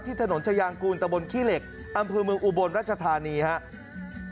ถนนชายางกูลตะบนขี้เหล็กอำเภอเมืองอุบลรัชธานีครับ